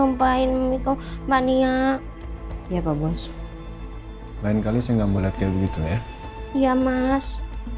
lompain mikro mania ya pak bos lain kali saya nggak boleh begitu ya iya mas